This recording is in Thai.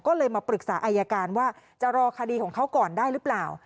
ก็เลยมาปรึกษาอายการว่าจะรอคดีของเขาก่อนได้หรือเปล่า